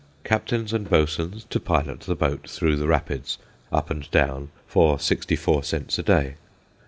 Captains and boatswains to pilot the boat through the rapids up and down for sixty four cents a day.